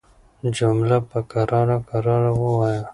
جمله په کراره کراره وايه